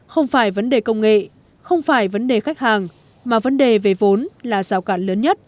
không phải vấn đề công nghệ không phải vấn đề khách hàng mà vấn đề về vốn là rào cản lớn nhất